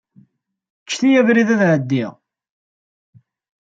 Ǧǧet-iyi abrid ad ɛeddiɣ.